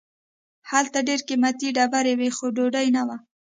هلته ډیر قیمتي ډبرې وې خو ډوډۍ نه وه.